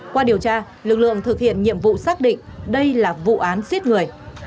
qua điều tra lực lượng thực hiện nhiệm vụ xác định đây là vụ án giết người